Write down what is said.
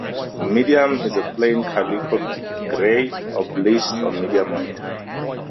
Medium is a plain calico, grey or bleached, of medium weight.